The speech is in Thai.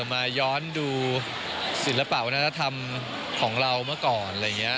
มาย้อนดูศิลปะวนธรรมของเราเมื่อก่อน